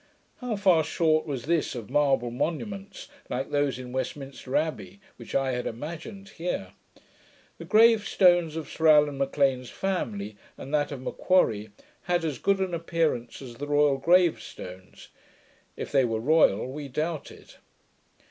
How far short was this of marble monuments, like those in Westminster Abbey, which I had imagined here! The grave stones of Sir Allan M'Lean's family, and of that of M'Quarrie, had as good an appearance as the royal grave stones; if they were royal, we doubted.